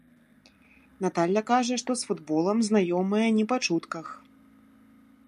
Наталля кажа, што з футболам знаёмая не па чутках.